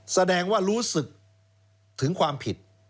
แสดงว่ารู้สึกถึงความผิด